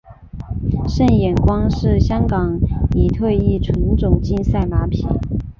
胜眼光是香港已退役纯种竞赛马匹。